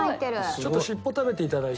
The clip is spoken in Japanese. ちょっと尻尾食べて頂いて。